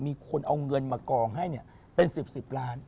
มีคนเอาเงินมากองให้เนี่ยเป็น๑๐ล้าน